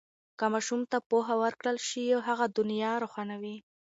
که ماشوم ته پوهه ورکړل شي، هغه دنیا روښانوي.